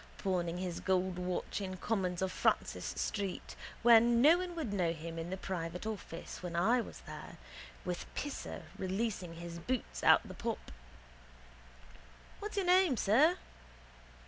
Pawning his gold watch in Cummins of Francis street where no one would know him in the private office when I was there with Pisser releasing his boots out of the pop. What's your name, sir?